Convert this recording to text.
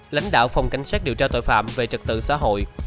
lãnh đạo phòng cảnh sát điều tra tội phạm về trật tự xã hội